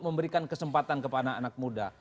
memberikan kesempatan kepada anak muda